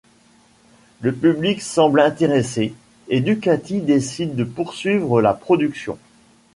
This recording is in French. Le public semble intéressé et Ducati décide de poursuivre la production.